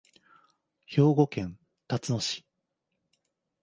兵庫県たつの市